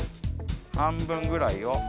半分ぐらいを。